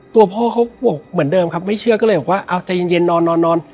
ตัวพ่อเขาบอกเหมือนเดิมครับไม่เชื่อก็เลยบอกว่าเอาใจเย็นนอนนอน